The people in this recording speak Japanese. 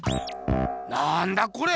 なんだこれ！